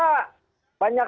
banyak yang berpengaruh